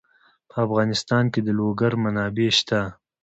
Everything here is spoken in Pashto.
په افغانستان کې د لوگر منابع شته.